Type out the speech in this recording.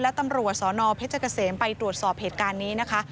และตำรวจสนเพชรเกษมไปตรวจสอบเหตุการณ์นี้นะคะ